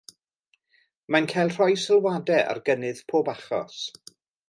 Mae'n cael rhoi sylwadau ar gynnydd pob achos.